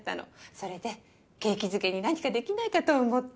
それで景気づけに何かできないかと思って。